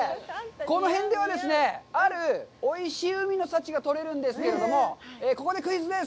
この辺では、あるおいしい海の幸が取れるんですけども、ここでクイズです！